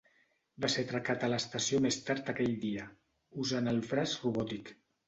Va ser atracat a l'estació més tard aquell dia, usant el braç robòtic.